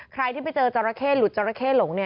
ใครที่ไปเจอจราเข้หลุดจราเข้หลง